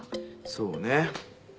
そうね。